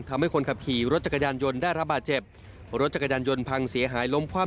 ทำให้คนขับขี่รถจักรยานยนต์ได้รับบาดเจ็บรถจักรยานยนต์พังเสียหายล้มคว่ำ